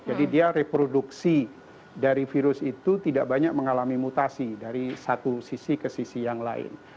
jadi dia reproduksi dari virus itu tidak banyak mengalami mutasi dari satu sisi ke sisi yang lain